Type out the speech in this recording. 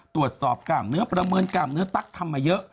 ตรวจสอบกลางเนื้อประเมินกลางเนื้อตั๊กทำมาเยอะ